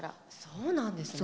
そうなんですね。